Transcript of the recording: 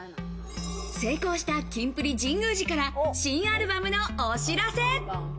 成功したキンプリ・神宮寺から新アルバムのお知らせ。